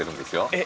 えっ！